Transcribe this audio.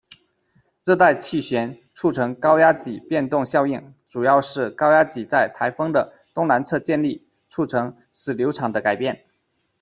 热带气旋促成高压脊变动效应主要是高压脊在台风的东南侧建立，促成驶流场的改变。